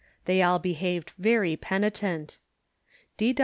They all behaved very penitent.